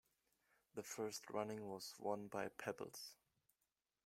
The first running was won by Pebbles.